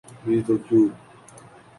بھی تو کیوں؟